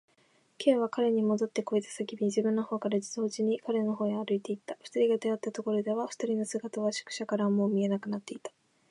Ｋ は彼にもどってこいと叫び、自分のほうからも同時に彼のほうへ歩いていった。二人が出会ったところでは、二人の姿は宿屋からはもう見えなくなっていた。